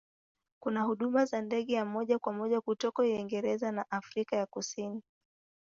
Kuna huduma za ndege ya moja kwa moja kutoka Uingereza na Afrika ya Kusini.